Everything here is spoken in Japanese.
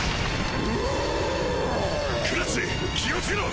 クラっち気を付けろ！